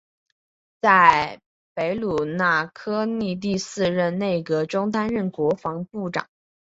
在贝鲁斯柯尼第四任内阁中担任国防部长。